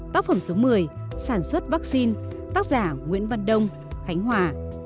tác phẩm số một mươi sản xuất vaccine tác giả nguyễn văn đông khánh hòa